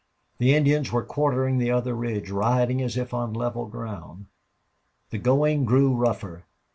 The Indians were quartering the other ridge, riding as if on level ground. The going grew rougher.